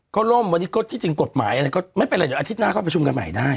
ก็ล่มวันนี้ก็ที่จริงกฎหมายอะไรก็ไม่เป็นไรเดี๋ยวอาทิตย์หน้าก็ประชุมกันใหม่ได้